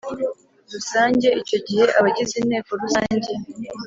rusange Icyo gihe abagize Inteko Rusange